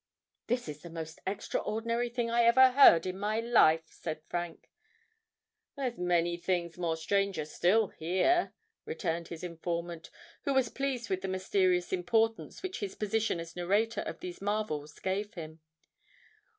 "This is the most extraordinary thing I ever heard in my life," said Frank. "There's many things more stranger still here," returned his informant, who was pleased with the mysterious importance which his position as narrator of these marvels gave him.